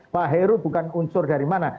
pak heru bukan unsur dari mana